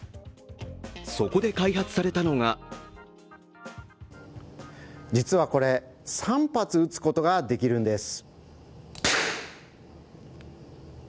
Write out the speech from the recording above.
そこで開発されたのが実はこれ、３発撃つことができるんです。